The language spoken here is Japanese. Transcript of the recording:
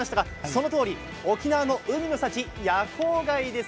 そのとおり沖縄の海の幸夜光貝です。